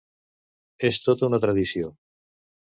És tota una tradició.